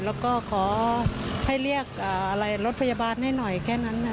แล้วก็ขอให้เรียกรถพยาบาลให้หน่อยแค่นั้น